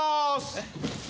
えっ？